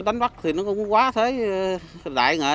đánh bắt thì nó cũng quá thấy đại nghệ